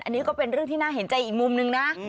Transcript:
อันนี้ก็เป็นเรื่องที่น่าเห็นใจอีกมุมนึงนะ